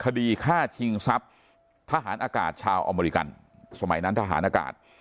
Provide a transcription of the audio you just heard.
คดีฆ่าชิงทรัพย์ทหารอากาศชาวอเมริกันสมัยนั้นทหารอากาศ